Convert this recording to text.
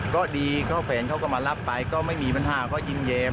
ก็ดีก็แฟนเขาก็มารับไปก็ไม่มีปัญหาก็ยิ้มแยม